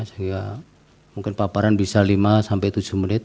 sehingga mungkin paparan bisa lima sampai tujuh menit